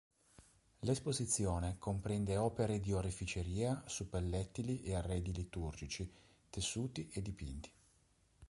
L’esposizione, comprende opere di oreficeria, suppellettili e arredi liturgici, tessuti e dipinti.